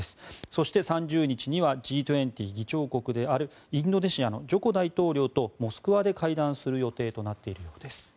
そして、３０日にはＧ２０議長国であるインドネシアのジョコ大統領とモスクワで会談する予定となっているようです。